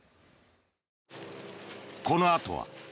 このあとは。